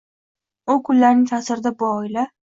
U kunlarning ta’sirida bu oila.